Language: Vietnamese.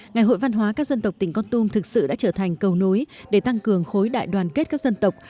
ngày hội văn hóa các dân tộc tỉnh con tum thực sự đã trở thành cầu nối để tăng cường khối đại đoàn kết các dân tộc